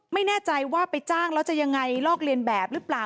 ไม่แน่ใจว่าไปจ้างแล้วจะยังไงลอกเลียนแบบหรือเปล่า